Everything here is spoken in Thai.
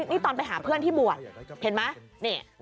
นี่ตอนไปหาเพื่อนที่บวชเห็นไหม